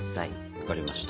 分かりました。